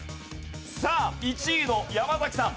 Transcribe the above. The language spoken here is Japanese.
さあ１位の山崎さん。